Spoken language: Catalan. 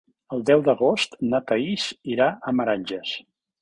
El deu d'agost na Thaís irà a Meranges.